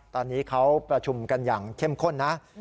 ตอนนี้เขาประชุมกันอย่างเข้มข้นนะ